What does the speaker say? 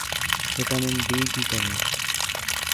vitamin D کی کمی